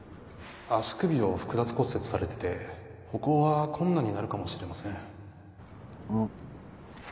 足首を複雑骨折されてて歩行は困難になるかもしれませんうん。